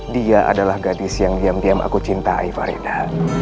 dia adalah gadis yang diam diam aku cintai faridha